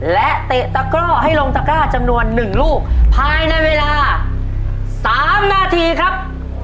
และเตะตะกร่อให้ลงตะกร้าจำนวน๑ลูกภายในเวลา๓นาทีครับ